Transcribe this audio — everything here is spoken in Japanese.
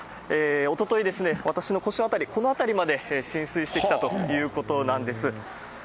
おとといですね、私の腰辺り、この辺りまで浸水してきたということなんです。